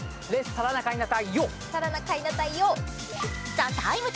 「ＴＨＥＴＩＭＥ，」